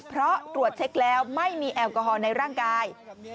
เพราะตรวจเช็คแล้วไม่มีแอลกอฮอลในร่างกาย